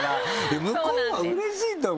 向こうはうれしいと思うけど。